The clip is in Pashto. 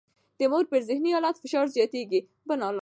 د مور پر ذهني حالت فشار زیاتېږي.